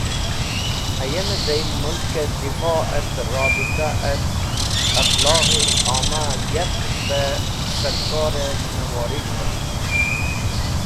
Hayeme zail Mulki Difo et Rabita et Ablaghe A’ma yark es̃h be Sarkore Zimawori wost.